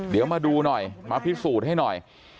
เดี๋ยวมาดูหน่อยมาพิสูจน์ให้หน่อย